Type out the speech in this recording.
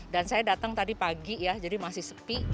saya datang tadi pagi ya jadi masih sepi